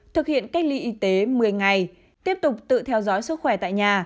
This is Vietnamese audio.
thực hiện cách ly y tế một mươi ngày tiếp tục tự theo dõi sức khỏe tại nhà